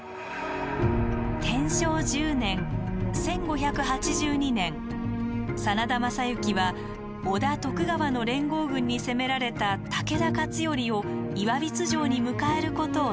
天正１０年１５８２年真田昌幸は織田・徳川の連合軍に攻められた武田勝頼を岩櫃城に迎えることを提案。